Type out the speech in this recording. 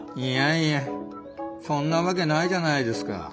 いやいやそんなわけないじゃないですか。